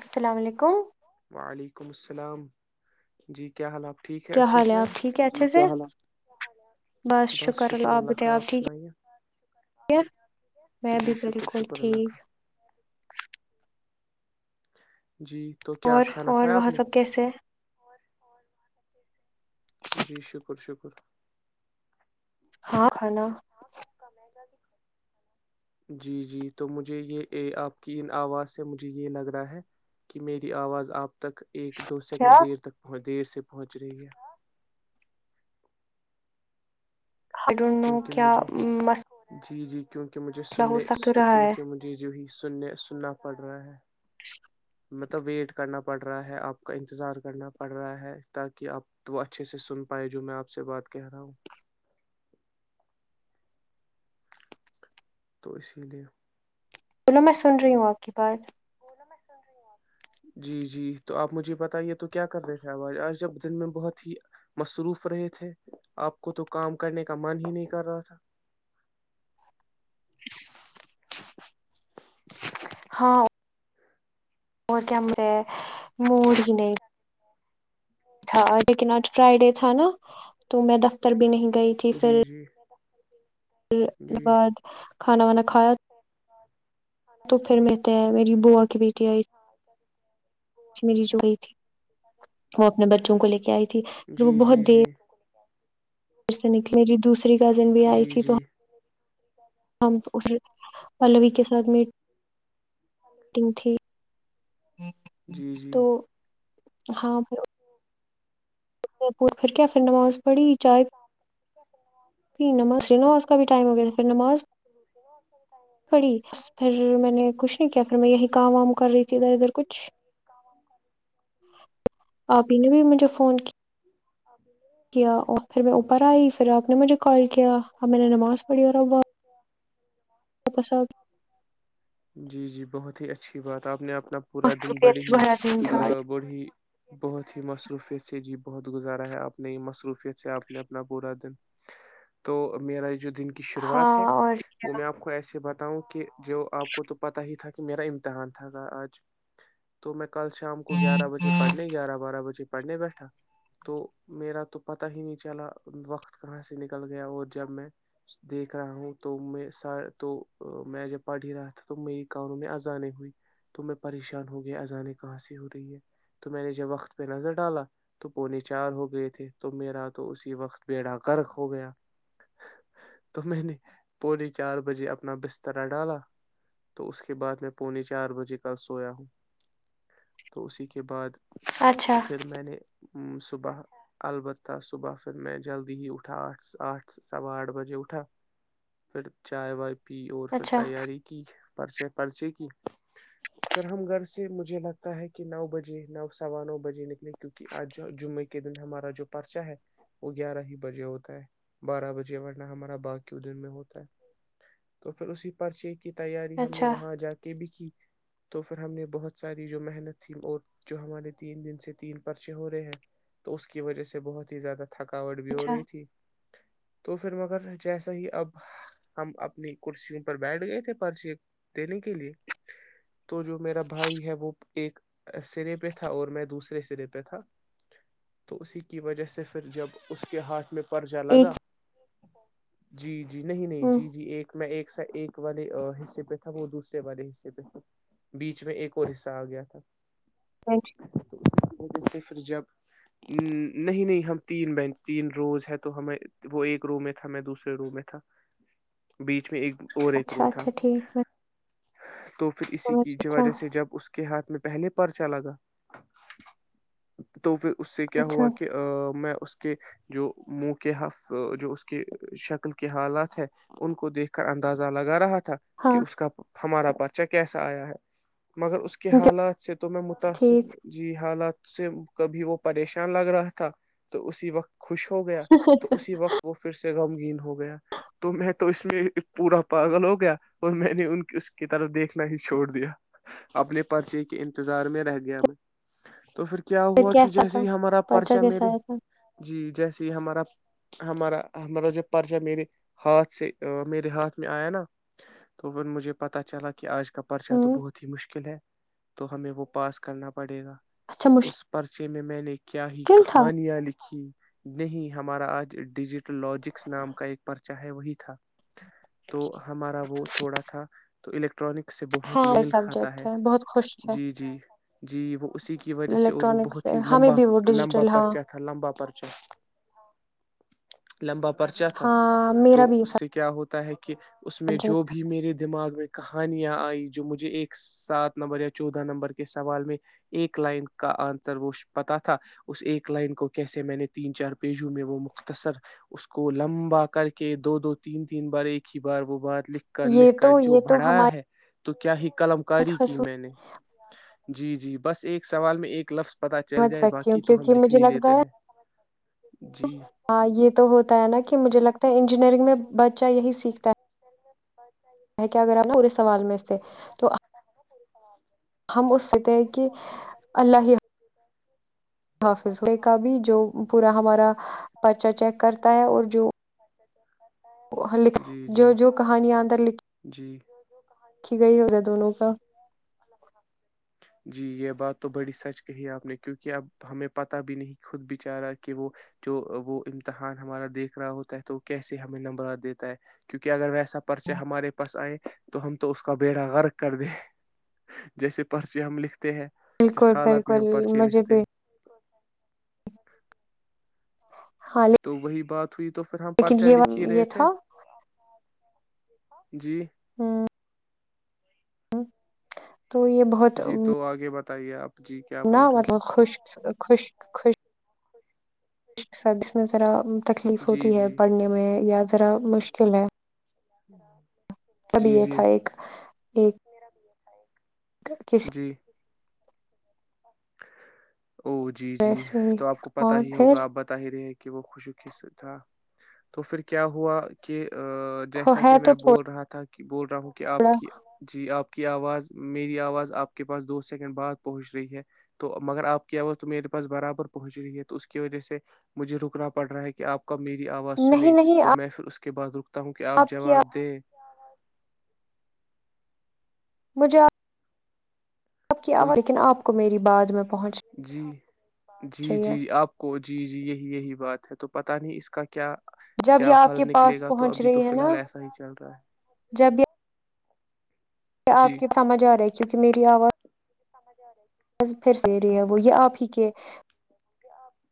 السلام علیکم وعلیکم السلام جی کیا حال آات کیا حال ہے آپ ٹھیک ہے اچھے سے بس شکر اللہ آپ بت آپ ٹھیک ہے [unintelligible] میں جی بھی شکر بالکل شکر اللہ کا ٹھیک جی تو کیا اور کھانا اور کھایا وہ آپ نے سب کیسے ہیں جی شکر شکر ہاں کھانا جی جی تو مجھے یہ آپ کی ان آواز سے مجھے یہ لگ رہا ہے کہ میری آواز آپ تک ایک دو کیا سیکنڈ دیر تک پہنچ دیر سے تے پہنچ رہی ہے آئی ڈونٹ نو کیا م کیوں کہ مجھے سننے کیونکہ مجھے ی ہی سننے سننا پڑ رہا ہے [inaudible] مطلب ویٹ کرنا پڑ رہا ہے آپ کا انتظار کرنا پڑ رہا ہے تاکہ آپ وہ اچھے سے سن پائے جو میں آپ سے بات کہہ رہا ہوں تو اسی لے بولو میں سن رہی ہوں آپ کی بات جی جی تو آپ مجھے بتائیے تو کیا کر رہے تھے آاز آج جب دن میں بہت ہی مصروف رہے تھے آپ کو تو کام کرنے کا من ہی نہیں کر رہا تھا [inaudible] ہاں اور کیا مرے موور ہی نہیں [inaudible] تھا لیکنٹ فرائیڈے تھا نا تو میں دفتر بھی نہیں گئی تھی جی پھر جی پھر جی بعد کھانا وانا کھایا [inaudible] [inaudible] تو پھر م ت میری بوا کی بیٹی آئی تھی میری جوڑئی [inaudible] تھی وہ اپنے بچوں کو لے کے آئی تھی پھر وہ جی بہت جی جی دیر پھر سے نکلےلی دوسری کزن بھی آئی جی تھی تو جی ہم اس پلوی کے ساتھ میٹ ٹنگ تھی جی جی تو ہاں پ پھر کیا پھر نماز [inaudible] بڑی [inaudible] پی نماز نا اس کا بھی ٹائم وغیرہ پھر نماز پڑی [inaudible] پھر میں نے کچھ نہیں کیا پھر میں یہی کام وام کر رہی تھی ادھر ادھر کچھ آپ ہی نے بھی مجھے فون کیا [inaudible] اوکے پھر میں اوپر آئی پھر آپ نے مجھے کال کیا اب میں نے نماز پڑھی اور اب واپس آ جی جی بہت ہی اچھا اچھی بات آپ نے آپ نا پورا دن بڑی ہی بھرا دن تھا ا بڑی بہت ہی مصروفیت سے جی بہت گزارا ہے آپ نے مصروفیت سے آپ اپنا پورا دن تو میرا یہ دن کی ہاں شروعات ہے اور وہ میں آپ کو ایسے بات ہوں کہ جو آپ کو تو پتا ہی تھا کہ میرا امتحان تھا آج تو میں کل شام کو گیارہ بجے پڑھنے گیارہ بارہ بجے پڑھنے بیٹھا تو میرا تو پتا ہی نہیں چلا وقت کہاں سے نکل گیا اور جب میں دیکھ رہا ہوں تو میں س تو میں جب پڑ ہی رہا تھا تو میری کانوں میں ازانے ہوئی تو میں پریشان ہو گئی ازانے کہاں سے ہو رہی ہے تو میں نے جب وقت پہ نظر ڈالا تو پونے چار ہو گئے تھے تو میرا تو اسی وقت بیڑا گرک ہو گیا تو میں [inaudible] نے پونے چار بجے اپنا بسترا ڈالا تو اس کے بعد میں پونے چار بجے کا سویا ہوں تو اسی کے بعد اچھا پھر میں نے صبح البتہ صبح پھر میں جلدی ہی اٹھا آٹھ آٹھ سوا آٹھ بجے اٹھا پھر چائے وائے پ اور پھر اچھا تیاری کی پرچے پرچے کی پھر ہم گھر سے مجھے لگتا ہے کہ نو بجے نو سوا نو بجے نکلی کیونکہ آج جمعے کے دن ہمارا جو پرچہ ہے وہ گیارہ ہی بجے ہوتا ہے بارہ بجے ورنہ ہمارا باغی دن میں ہوتا ہے تو پھر اسی پرچی کی تیاری ہم نے اچھا وہاں جا کے بھی کی تو پھر ہم نے بہت ساری جو محنت تھی اور جو ہمارے تین دن سے تین پرچے ہو رہے ہیں تو اس کی وجہ سے بہت زیادہ تھکاوٹ بھی ہو اچھا رہی تھی تو پھر مگر جیسا ہی اب ہم اپنی کرسیوں پر بیٹھ گئے تھے پرچ دینے کے لیے تو جو میرا بھائی ہے وہ ایک سرے پہ تھا اور میں دوسرے سرے پہ تھا تو اسی کی وجہ سے سے پھر جب اس کے ہاتھ میں پررشہ الگا ایک جی جی جی نہیں نہیں جی جی ایک میں ایک سا ایک والے حصے پہ تھا وہ دوسرے والے حصے پہ تھا بیچ میں ایک اور حصہ آ گیا تھا جیسے پھر جب [inaudible] ہ نہیں نہیں ہم تین بینچ تین روز ہے تو ہمیں وہ ایک روم میں تھا ہم دوسرے روم میں تھا بیچ میں ایک اور ایک اچھا رو تھا اچھا ٹھیک ہے تو پھر اسی کی وجہ سے جب اس کے ہاتھ میں پہلے پرچلاگا تو پھر اس سے کیا اچھا ہوا کہ میں اس کے جو منہ کے حف جو اس کے شکل کے حالات ہے ان کو دیکھ کر اندازہ لگا رہا تھا تھا کہ ہاں اس کا ہمارا بادچہ کیسا آیا ہے مگر اس کے جو- حالات سے تو میں متاثر ہ ٹھیک جی حالات سے کبھی وہ پریشان لگ رہا تھا [unintelligible] [unintelligible] [unintelligible] پھر کیسا تھا پرچا کیسا آیا تھا [unintelligible] ہوں [unintelligible] اچھا مشکل [unintelligible] تھا [unintelligible] [unintelligible] [unintelligible] ہاں [unintelligible] سبجیکٹ ہے بہت خوش ہے [unintelligible] الیکٹرانکس ہمیں بھی وہ ڈیجیٹل [unintelligible] ہاں [unintelligible] ہاں میرا بھی یہ [unintelligible] سبجیکٹ [unintelligible] [unintelligible] [unintelligible] یہ تو یہ تو [unintelligible] ہماری [unintelligible] خصوص [unintelligible] [unintelligible] جائے باقی تو ہم لکھ [unintelligible] [unintelligible] [unintelligible] [unintelligible] ہے کہ اگر آپ نا پورے سوال میں سے تو [unintelligible] [unintelligible] [unintelligible] جی جی جی [unintelligible] [unintelligible] [unintelligible] [unintelligible] بالکل حالت میں بالکل ہم پرچے مجھے لکھتے بھی [unintelligible] ہاں تو وہی بات تھئی تو پھر ہم لیکن پرچا یہ لکھی یہ رہے تھے تھا جی ہاں ہوں تو یہ بہت جی تو آگے بتائیے آپ جی کیا نہ بول رہے مطلب خوش خوش خوشش صس م [inaudible] تکلیف جی ہوتی ہے جی پڑھنے میں یا ذرا مشکل ہے ہاں [inaudible] ابھی یہ تھا ایک ایک کس جی او جی جی ویسے ہی تو آپ کو پتا اور ہی ہوگا پھر آپ بتا ہی رہے کہ کہ وہ خوشی ک سے تھا تو پھر کیا ہوا کہ تو جیسا ہے کہ تو میں بول رہا تھا کہ کہ بول ہوں کہ آپ تھوڑا کی جی آپ ك آواز مر اواز آپ ك پاس دو سکنڈ بعد پہنچحی حا تو مگر آپ کی آواز تو میرے پاس برابر پہنچ رہی ہے تو اس کی وجہ سے مجھے رکنا پڑ رہا ہے کہ آپ میری آواز نہیں سنے نہیں تو میں پھر اس کے کے بع رک [inaudible] تا ہوں کہ آپ جواب دیں مجھے آپ کی تو آواز لیکن آپ کو میری بعد میں پہنچ جی جی رہی ہے جی آپ کو جی جی یہی یہی بات ہے ہے تو پتاہ نہیں اس کا کیا جب کیا یہ کیا آپ حل کے نکلے پاس گا تو پہنچ ابھی تو رہی ہے فی نا الحال ایسا ہی چل رہا ہے جب آپ جی کی سمجھ آ رہا ہے کیونکہ میری آواز بس پھر دے رہے ہیں وہ یہ آپ ہی کہ کیاپ [inaudible]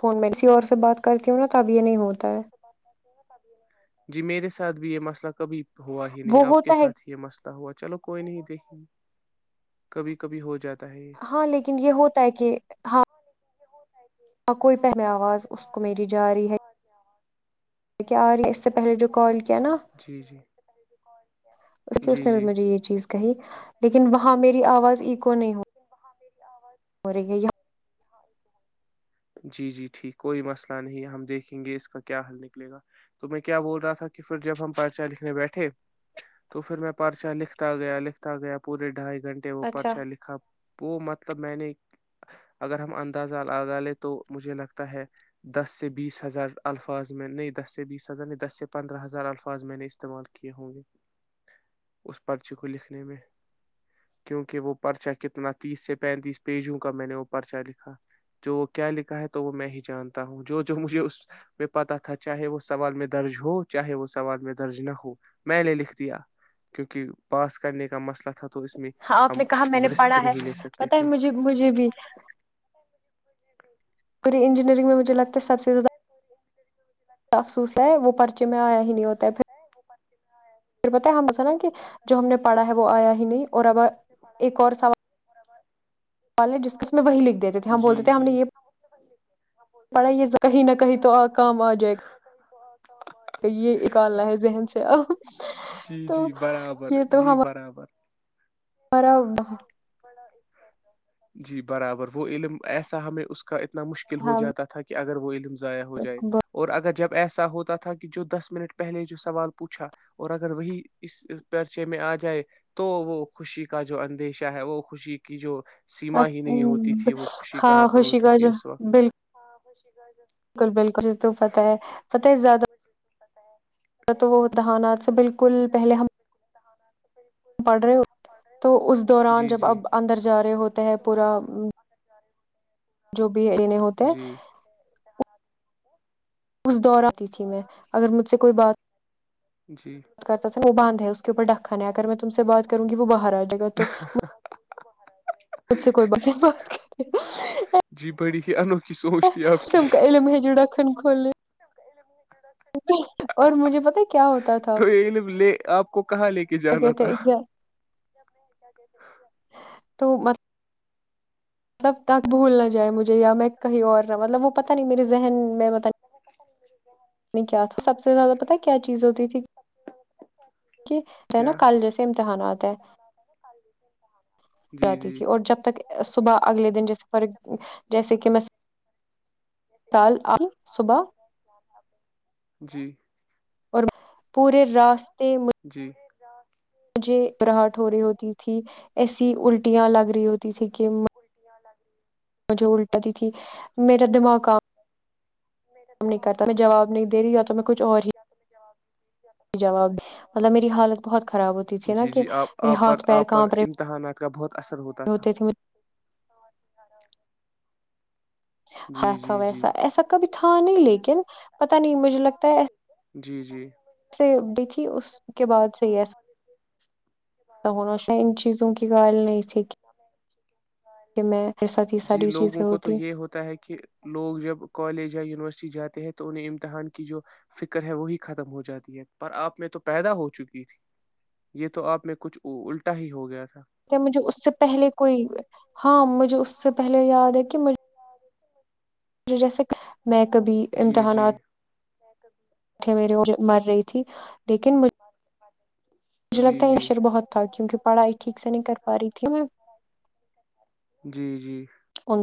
فون میں اسسی اور سے بات کرتی ہوں نا تب یہ نہیں ہوتا ہے جی میرے ساتھ بھی یہ مسئلہ کبھی ہوا ہی وہ نہیں آپ کے ہوتا ہے ساتھ ہی یہ مسئلہ ہوا چلو کوئی نہیں دیکھ چھ [inaudible] کبھی کبھی ہو جاتا ہاں لیکن یہ ہوتا ہے کہ ہاں ہ کوئی پہم آواز اس کو میری جااریی ہے کیا آ رہی ہے اس سے پہلے جو کال کیا نا [inaudible] اس کی اس جی نے بھی جی مجھے یہ چیز کہی لیکن وہاں میری آواز ایکو نہیں ہو [inaudible] ہو رہی ہے یہاں جی جی ٹھیک کوئی مسئلہ نہیں ہم دیکھیں گے اس کا [inaudible] کیا حل نکلے گا تو میں کیا بول رہا تھا کہ پھر جب ہم پرچا لکھنے بیٹھے تو پھر میں پرچا لکھتا گیا لکھتا گیا پورے ڈھائی گھنٹے وہ اچھا پرچا لکھا وہ مت مطلب میں نے اگر ہم اندازہ آگا لے تو مجھے لگتا ہے دس سے بیس ہزار الفاظ میں نہیں دس سے بیس ہزار نہیں دس سے پندرہ ہزار الفاظ میں نے استعمال کیے ہوں گے اس پرچی کو لکھنے میں کیونکہ وہ پرچا کتنا تیس سے پینتیس پیجوں کا میں نے وہ پرچا لکھا جو وہ کیا لکھا ہے تو وہ میں ہی جانتا ہوں جو جو مجھے اس میں پتاہ تھا چاہے وہ سوال میں درج ہو چاہے وہ سوال میں درج نہ ہو میں نے لکھ دیا کیوںکہ پاس کرنے کا مسئلہ تھا تو میں ہ آپ ہم نے کہا میں نے رسک پڑھا ہے نہیں لے سکتے پت ہے تھے مجھے مجھے بھی [inaudible] انجینئرنگ میں مجھے لگتا ہے سب سے زیادہ افسوس ہے وہ [inaudible] چ میں آیا ہی نہیں ہوتا ہے پھر پھر پت ہے ہم مسان کہ جو ہم نے پڑھا ہے وہ آیا ہی نہیں اور اب ایک اور سوال ہے ج جس میں وہی لکھ دیتے تھے ہم یہ بولتے تھے ہم نے یہ پڑھائی میں پڑھا یہ کہیں نہ کہیں تو ض کام آ جائے ہو جائے یہ اکاللہ ہے ذہن سے ا جی تو جی [inaudible] برابر یہ تو جی ہم برابر ہمارا وہاں [inaudible] جی برابر وہ علم ایسا ہمیں اس [inaudible] اتنا مشکل ہو جاتا تھا کہ اگر اگر وہ ضائع ہو جائے اور اگر جب ایسا ہوتا تھا کہ کہ جو دس منٹ پہلے جو سوال پوچھا اور اگر وہی اس پرچے میں آ جائے تو وہ خوشی کا جو اندیشہ ہے وہ خوشی کی جو سیما ہی نہیں ہوتی تھی وہ خوشی کہاں پر خوشی ہوتی تھی ہے اس وقت بالکل [inaudible] بالکل بالکل ج تو پتہ ہے پتہ ہے زیادہ زیادہ تو وہ دہانات سے ہوتا تھا بالکل پہلے ہم بالکلانات [inaudible] پڑھ رہے تو اس دوران جی جب جی اب اندر جا رہے ہوتے ہیں پورا [inaudible] جو بھی انے ہوتے ہیں جی اس دور آتی تھی میں اگر مجھ سے کوئی بات جی بات کرتا تھا وہ بند ہے اس کے اوپر ڈکن ہے اگر میں تم سے بات کروں گی وہ باہر آ جائے گا تو [inaudible] خ سے کوئی ہے باتات کرے جی بڑی ہی انوکھی سوچ تھی آپ کی تم کا علم ہے جو ڈکھن کھول ل [inaudible] اور مجھے پتا کیا ہوتا تھا تو یہ [unintelligible] کہاں لے کے جانا کہتے تھا [unintelligible] [unintelligible] مطلب تک بھول نہ جائے مجھے یا میں کہیں اور نہ مطلب وہ پتا نہیں میرے ذن میں بت سے [unintelligible] کی ہے نا کیا کل جیسے امتحانات ہیں [unintelligible] جی جاتی جی تھی اور جب تک صبح اگلے دن جیسے فر جیسے کہ میںال صبح [unintelligible] اور پورے راستے جی مجھے گراہٹ ہو رہی ہوتی تھی ایسی الٹیاں لگ رہی ہوتی تھیں کہ مجھے الٹاتی تھی میرا دماغم [unintelligible] تو میں کچھ اور ہی جواب دے، مطلب میری حالت بہت خراب ہوتی تھی نا کہ میرے ہاتھ پیر کانپ رہے کا بہت اثر ہوتا تھا ہوتے تھے جی ہ تھا جی جی ویسا ایسا کبھی تھا نہیں لیکن پتا نہیں مجھے لگتا ہے ای جی جی تھی اس کے بعد س ایسا تو ہوناش ان چیزوں کی ل نہیں ٹھیک جی چیزیں لوگوں کو تو ہوتی یہ ہیں۔ ہوتا ہے کہ لوگ جب کالج یا یونیورسٹی جاتے تو انہیں امتحان کی جو فکر ہے وہی ختم ہو جاتی ہے پر آپ میں تو پیدا ہو چکی تھی یہ تو آپ میں کچھ الٹا ہی ہو گیا تھا کیا مجھے اس سے پہلے کوئی ہاں مجھے اس سے پہلے یاد ہے کہ مجھے مج جیسے میں کبھی جی جی امتحانات آنکھیں میری وہ مر رہی تھی لیکن مجھے مجھے جی لگتا ہے یہ جی شر بہت تھا کیونکہ پڑھائی ٹھیک سے نہیں کر پا رہی تھی میں ان جی جی سے